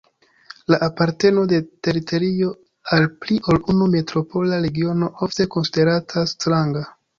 La aparteno de teritorio al pli ol unu metropola regiono ofte konsideratas stranga.